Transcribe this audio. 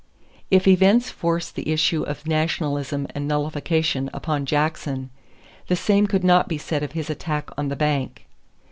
= If events forced the issue of nationalism and nullification upon Jackson, the same could not be said of his attack on the bank.